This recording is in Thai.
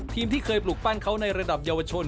ที่เคยปลูกปั้นเขาในระดับเยาวชน